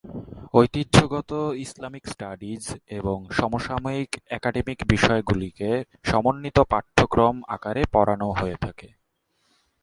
ঐতিহ্যগত Islamic studies এবং সমসাময়িক একাডেমিক বিষয়গুলিকে সমন্বিত পাঠ্যক্রম আকারে পড়ানো হয়ে থাকে।